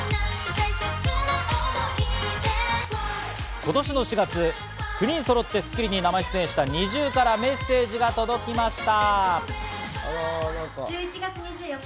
今年の４月、９人そろって『スッキリ』に生出演したＮｉｚｉＵからメッセージが届きました。